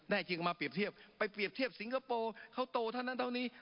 จริงเอามาเปรียบเทียบไปเปรียบเทียบสิงคโปร์เขาโตเท่านั้นเท่านี้